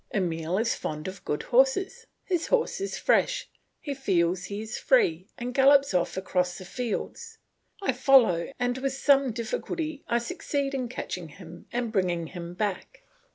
Emile is fond of good horses; his horse is fresh, he feels he is free, and gallops off across the fields; I follow and with some difficulty I succeed in catching him and bringing him back.